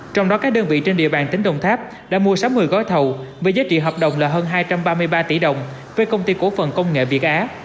trong đó các đơn vị trên địa bàn tỉnh đồng tháp đã mua sáu mươi gói thầu với giá trị hợp đồng là hơn hai trăm ba mươi ba tỷ đồng với công ty cổ phần công nghệ việt á